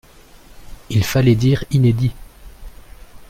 Il fallait dire inédits.